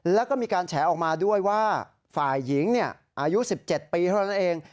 แล้วก็มีการแฉออกมาด้วยว่าฝ่ายหญิงอายุ๑๗ปีเท่านั้นเอง